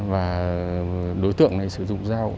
và đối tượng này sử dụng dao